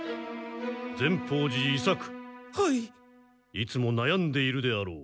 いつもなやんでいるであろう。